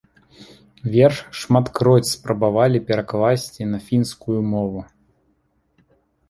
Верш шматкроць спрабавалі перакласці на фінскую мову.